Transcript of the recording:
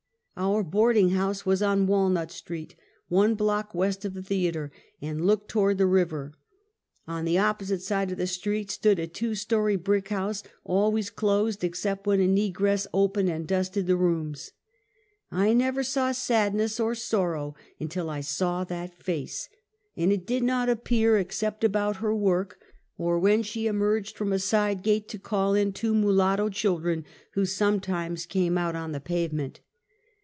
Our boarding house was on Walnut street, one block west of the theatre, and looked toward the river. On the opposite side of the street stood a two story brick house, always closed except when a negress opened and dusted the rooms. I never saw sadness or sorrow un til I saw that face; and it did not appear except about her work, or when she emerged from a side gate to call in two mulatto children, who sometimes came out on the pavement.